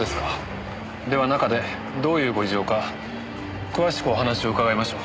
では中でどういうご事情か詳しくお話を伺いましょう。